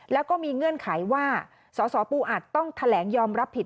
แล้วก็มีเงื่อนไขว่าสสปูอัดต้องแถลงยอมรับผิด